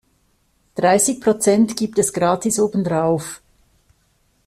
Dreißig Prozent gibt es gratis obendrauf.